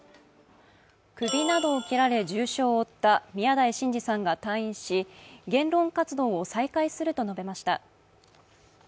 首などを切られ重傷を負った宮台真司さんが退院し言論活動を再開すると述べました。